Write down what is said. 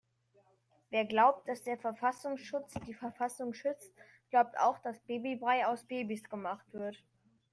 Wer glaubt, dass der Verfassungsschutz die Verfassung schützt, glaubt auch dass Babybrei aus Babys gemacht wird.